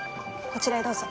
こちらへどうぞ。